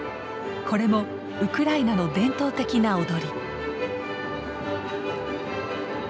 これもウクライナの伝統的な踊り。